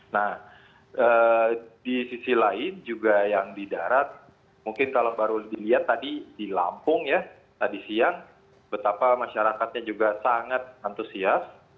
nah di sisi lain juga yang di darat mungkin kalau baru dilihat tadi di lampung ya tadi siang betapa masyarakatnya juga sangat antusias